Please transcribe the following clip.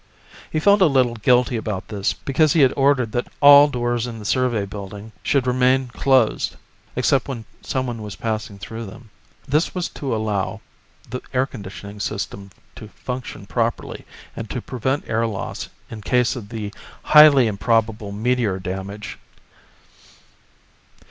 He felt a little guilty about this, because he had ordered that all doors in the survey building should remain closed except when someone was passing through them. This was to allow the air conditioning system to function properly, and to prevent air loss in case of the highly improbable meteor damage.